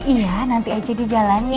iya nanti aceh di jalan ya